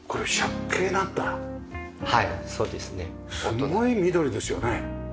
すごい緑ですよね。